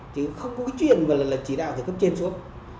chứ không có cái chuyện mà là chỉ đạo từ cấp trên xuống